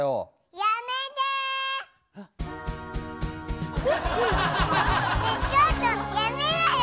やめてよ！